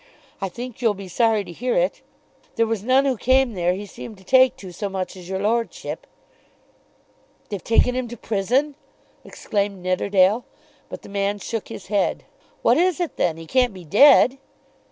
I think you'll be sorry to hear it. There was none who came there he seemed to take to so much as your lordship." "They've taken him to prison!" exclaimed Nidderdale. But the man shook his head. "What is it then? He can't be dead."